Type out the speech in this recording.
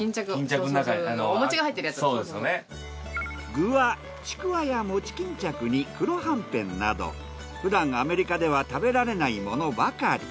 具はちくわや餅巾着に黒はんぺんなどふだんアメリカでは食べられないものばかり。